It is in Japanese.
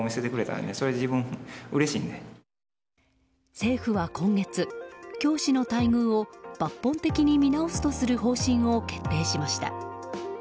政府は今月、教師の待遇を抜本的に見直すとする方針を決定しました。